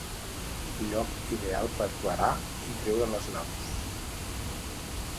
Lloc ideal per varar i treure les naus.